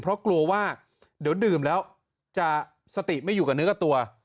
เพราะกลัวว่าเดี๋ยวดื่มแล้วจะสติไม่อยู่กับเนื้อกับตัว